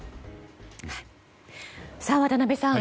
渡辺さん